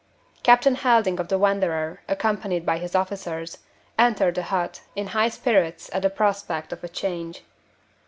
Captain Helding of the Wanderer, accompanied by his officers, entered the hut, in high spirits at the prospect of a change.